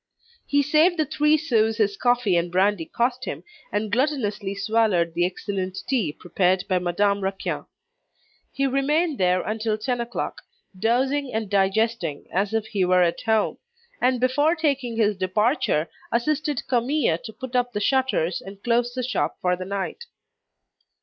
He saved the three sous his coffee and brandy cost him, and gluttonously swallowed the excellent tea prepared by Madame Raquin. He remained there until ten o'clock, dozing and digesting as if he were at home; and before taking his departure, assisted Camille to put up the shutters and close the shop for the night.